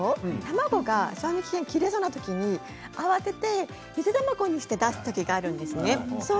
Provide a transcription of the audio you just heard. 卵が賞味期限切れそうな時に慌てて家でゆで卵にして出す時があるんですね。